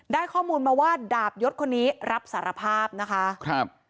ได้ข้อมูลมาว่าดาบยศคนนี้รับสารภาพนะคะครับ